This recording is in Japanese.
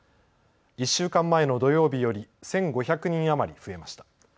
１週間前の土曜日より１５００人余り増えました。